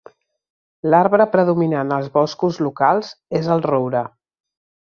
L'arbre predominant als boscos locals és el roure.